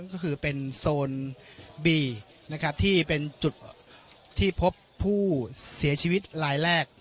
ก็คือเป็นโซนบีนะครับที่เป็นจุดที่พบผู้เสียชีวิตรายแรก